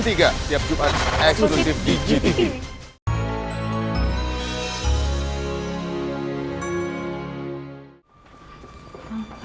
tiap jumat eksklusif di gtv